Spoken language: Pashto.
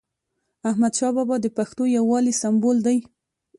احمدشاه بابا د پښتنو یووالي سمبول دی.